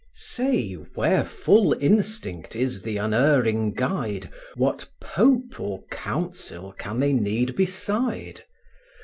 Say, where full instinct is the unerring guide, What pope or council can they need beside?